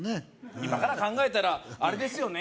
今から考えたらあれですよね